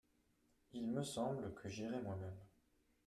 Il me semble que j’irais moi-même.